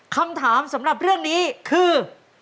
คำถามสำหรับเรื่องนี้คือ